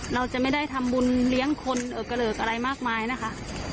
เราจะไม่ได้ทำบุญเลี้ยงคนกระเหลิกอะไรมากมายนะคะ